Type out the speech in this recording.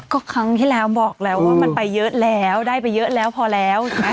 ก็ครั้งที่แล้วบอกแล้วว่ามันไปเยอะแล้วได้ไปเยอะแล้วพอแล้ว